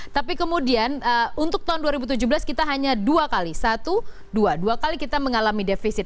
tapi kemudian untuk tahun dua ribu tujuh belas kita hanya dua kali satu dua dua kali kita mengalami defisit